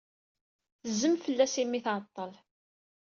Tezzem fell-as imi ay tɛeḍḍel.